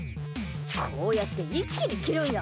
こうやって一気に切るんや。